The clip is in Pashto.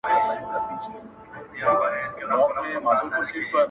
o خو تر څو چي پښتو ژبه پښتانه پر دې جهان وي,